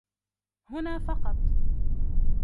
هنا فقط.